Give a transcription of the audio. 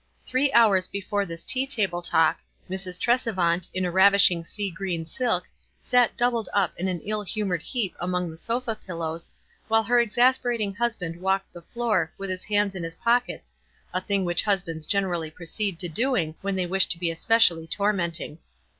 Three hours before this tea table talk, Mrs. Tresevant, in a ravishing sea green silk, sat doubled up in an ill humored heap among the sofa pillows, while her exasperating husband walked the floor with his hands in his pockets, a thing which hus bands generally proceed to doing when they wish to be especially tormenting.